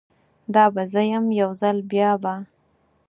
دا به زه یم، یو ځل بیا به